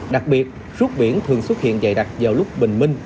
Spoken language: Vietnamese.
đặc biệt suốt biển thường xuất hiện dày đặc vào lúc bình minh